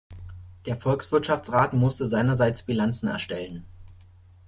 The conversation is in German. Der Volkswirtschaftsrat musste seinerseits Bilanzen erstellen.